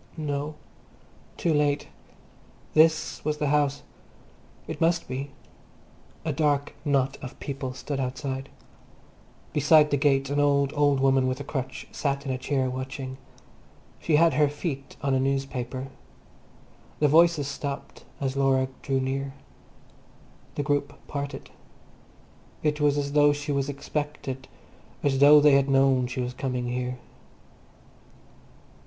No, too late. This was the house. It must be. A dark knot of people stood outside. Beside the gate an old, old woman with a crutch sat in a chair, watching. She had her feet on a newspaper. The voices stopped as Laura drew near. The group parted. It was as though she was expected, as though they had known she was coming here.